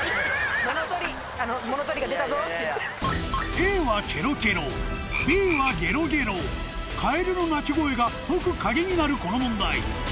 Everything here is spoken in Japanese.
Ａは「ケロケロ」Ｂは「ゲロゲロ」カエルの鳴き声が解く鍵になるこの問題